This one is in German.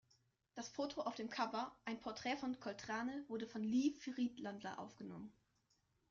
Das Foto auf dem Cover, ein Porträt von Coltrane, wurde von Lee Friedlander aufgenommen.